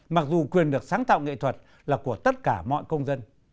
mặc dù quyền được sáng tạo nghệ thuật là của tất cả mọi công dân